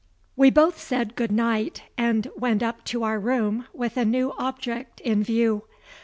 We both said good night, and went up to our room with a new object in view.